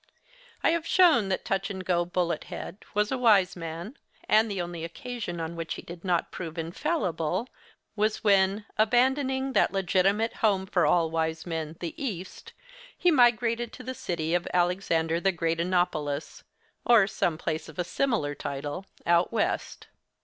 I have shown that Touch and go Bullet head was a wise man; and the only occasion on which he did not prove infallible, was when, abandoning that legitimate home for all wise men, the East, he migrated to the city of Alexander the Great o nopolis, or some place of a similar title, out West.